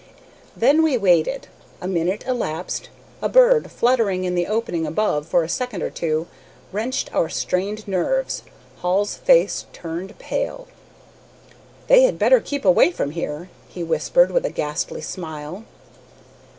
Then we waited. A minute elapsed. A bird, fluttering in the opening above, for a second or two, wrenched our strained nerves. Hall's face turned pale. "They had better keep away from here," he whispered, with a ghastly smile.